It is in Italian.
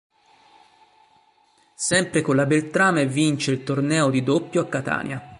Sempre con la Beltrame, vince il torneo di doppio a Catania.